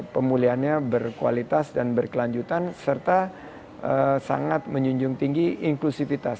pemulihannya berkualitas dan berkelanjutan serta sangat menjunjung tinggi inklusivitas